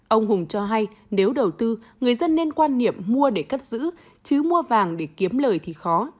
ông hùng cho hay nếu đầu tư người dân nên quan niệm mua để cất giữ chứ mua vàng để kiếm lời thì khó